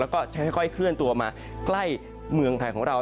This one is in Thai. แล้วก็จะค่อยเคลื่อนตัวมาใกล้เมืองไทยของเรา